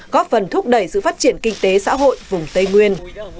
góp phần thúc đẩy sự phát triển kinh tế xã hội vùng tây nguyên